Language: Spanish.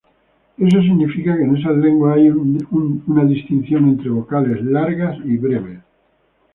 Eso significa que en esas lenguas hay una distinción entre vocales largas y breves.